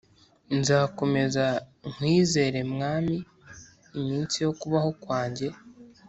nzakomeza nkwizere mwami iminsi yokubaho kwanjye